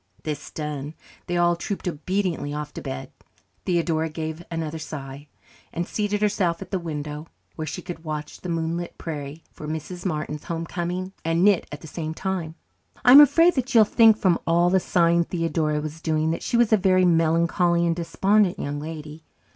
This done, they all trooped obediently off to bed. Theodora gave another sigh, and seated herself at the window, where she could watch the moonlit prairie for Mrs. Martin's homecoming and knit at the same time. I am afraid that you will think from all the sighing Theodora was doing that she was a very melancholy and despondent young lady.